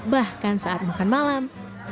bahkan saat makan malam